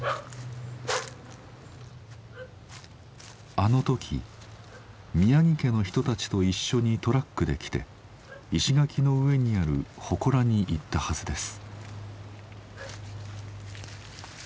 あの時宮城家の人たちと一緒にトラックで来て石垣の上にある祠に行ったはずです。